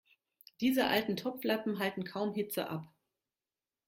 Diese alten Topflappen halten kaum Hitze ab.